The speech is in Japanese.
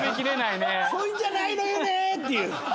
「そういうんじゃないのよね」っていう。